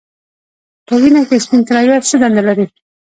په وینه کې سپین کرویات څه دنده لري